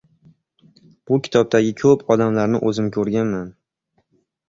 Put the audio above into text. Bu kitobdagi ko‘p odamlarni o‘zim ko'rganman.